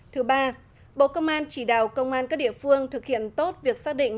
thứ ba bộ công an chỉ đạo công an các địa phương thực hiện tốt việc xác định